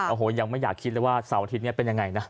โอ้โหยังไม่อยากคิดเลยว่าเสาร์อาทิตย์นี้เป็นยังไงนะ